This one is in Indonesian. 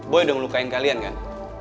boy udah ngelukain kalian kan